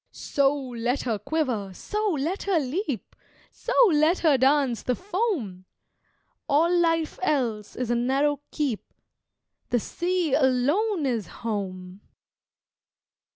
So, let her quiver! So, let her leap! So, let her dance the foam! All life else is a narrow keep, The sea alone is home!